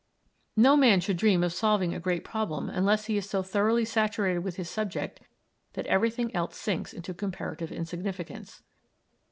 No man should dream of solving a great problem unless he is so thoroughly saturated with his subject that everything else sinks into comparative insignificance.